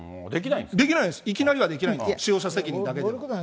できないんです、いきなりはできないんです、使用者責任だけでは。